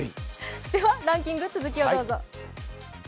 では、ランキングの続きをどうぞ。